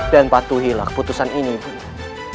dan patuhilah keputusan ini ibunda